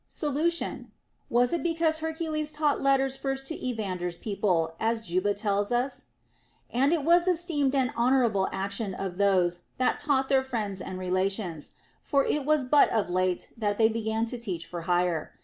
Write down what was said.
Solution. Was it because Hercules taught letters first to Evander's people, as Juba tells us ? And it was esteemed an honorable action of those that taught their friends and rela tions ; for it was but of late that they began to teach for hire.